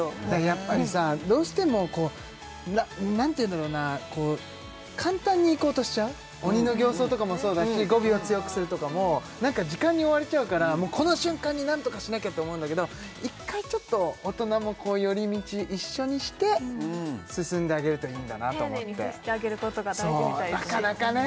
やっぱりさどうしてもこう何て言うんだろうなこう簡単にいこうとしちゃう鬼の形相とかもそうだし語尾を強くするとかもなんか時間に追われちゃうからこの瞬間に何とかしなきゃと思うんだけど１回ちょっと大人もこう寄り道一緒にして進んであげるといいんだなと思って丁寧に接してあげることが大事なかなかね